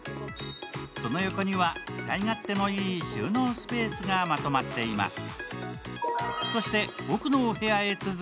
その横には使い勝手のよい収納スペースがまとまっています。